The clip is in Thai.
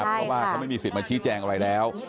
เพราะว่าเขาไม่มีสิทธิ์มาชี้แจงอะไรแล้ว